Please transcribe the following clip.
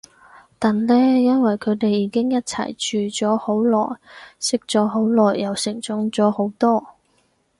但呢因為佢哋已經一齊住咗好耐，識咗好耐，又成長咗好多